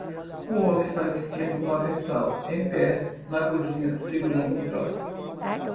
Um homem está vestindo um avental? em pé na cozinha segurando um prato.